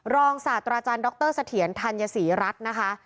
ศาสตราจารย์ดรเสถียรธัญศรีรัฐนะคะ